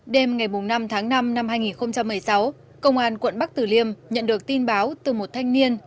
đêm ngày năm tháng năm năm hai nghìn một mươi sáu công an quận bắc tử liêm nhận được tin báo từ một thanh niên